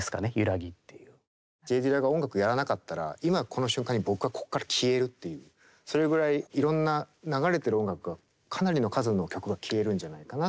Ｊ・ディラが音楽をやらなかったら今この瞬間に僕はこっから消えるというそれぐらいいろんな流れてる音楽がかなりの数の曲が消えるんじゃないかな。